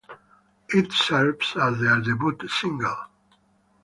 It serves as their debut single.